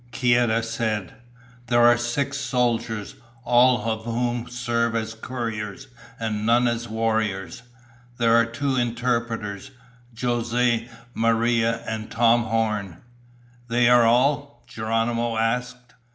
Kieta said, "There are six soldiers, all of whom serve as couriers and none as warriors. There are two interpreters, Jose Maria and Tom Horn." "They are all?" Geronimo asked.